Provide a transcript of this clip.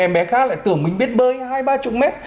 em bé khác lại tưởng mình biết bơi hai ba mươi mét